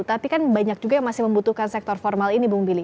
tapi kan banyak juga yang masih membutuhkan sektor formal ini bung billy